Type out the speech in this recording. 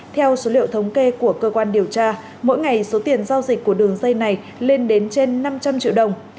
theo số liệu thống kê của cơ quan điều tra mỗi ngày số tiền giao dịch của đường dây này lên đến trên năm trăm linh triệu đồng